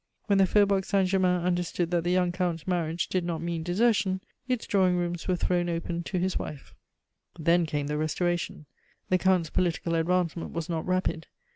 When the Faubourg Saint Germain understood that the young Count's marriage did not mean desertion, its drawing rooms were thrown open to his wife. Then came the Restoration. The Count's political advancement was not rapid.